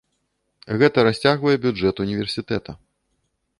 Гэта расцягвае бюджэт універсітэта.